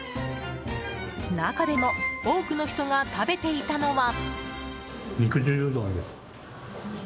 中でも多くの人が食べていたのは。